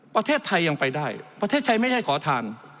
ประเทศไทยยังไปได้ประเทศไทยไม่ใช่ขอทาน